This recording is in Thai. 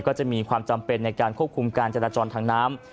ก็จะมีความจำเป็นในการควบคุมการจราจรทางน้ำ